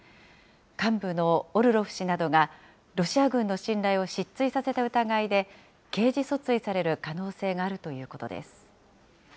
幹部のオルロフ氏などがロシア軍の信頼を失墜させた疑いで、刑事訴追される可能性があるということです。